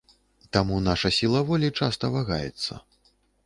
Таму наша сіла волі часта вагаецца.